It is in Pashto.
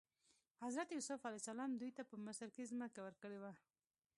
حضرت یوسف علیه السلام دوی ته په مصر کې ځمکه ورکړې وه.